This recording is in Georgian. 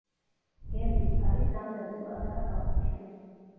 გერბის ფარი სამ ნაწილადაა გაყოფილი.